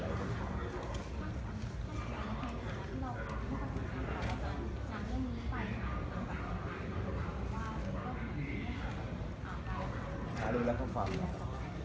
แล้วตายแล้วเขาฟังด้วย